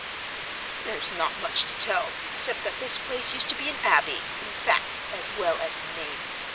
"There's not much to tell, except that this place used to be an abbey, in fact as well as in name.